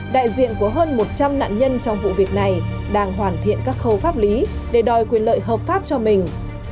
đại diện của hơn một trăm linh nạn nhân trong vụ việc này đang hoàn thiện các khâu pháp lý để đòi quyền lợi hợp pháp cho mình